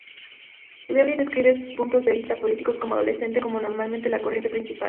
Levy describe sus puntos de vista políticos como adolescente como normalmente la corriente principal.